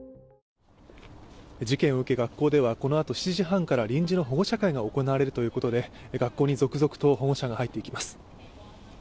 事件を受け学校ではこのあと７時半から臨時の保護者会が開かれるということで学校に続々と保護者が入っていきます。